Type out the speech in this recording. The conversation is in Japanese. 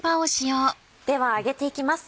では揚げていきます。